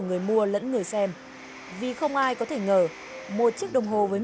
cái này là hai triệu này cái này là ba triệu rưỡi